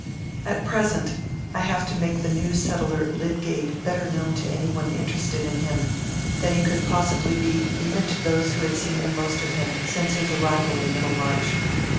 At present I have to make the new settler Lydgate better known to any one interested in him than he could possibly be even to those who had seen the most of him since his arrival in Middlemarch.